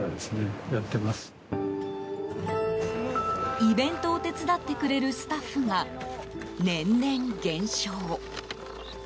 イベントを手伝ってくれるスタッフが年々減少。